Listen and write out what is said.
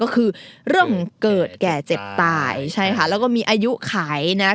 แก่เจ็บตายใช่ค่ะแล้วก็มีอายุไขนะครับ